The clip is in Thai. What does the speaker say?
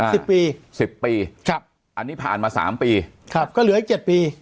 สิบปีสิบปีครับอันนี้ผ่านมาสามปีครับก็เหลืออีกเจ็ดปี